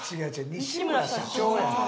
西村社長やねん。